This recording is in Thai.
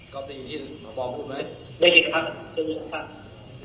ก็มีอีกที่พอบอกพูดไหมได้คิดครับคิดคิดครับค่ะ